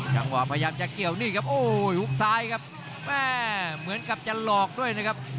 จังหวะพยายามจะเกี่ยวนี่ครับโอ้โหหุกซ้ายครับแม่เหมือนกับจะหลอกด้วยนะครับ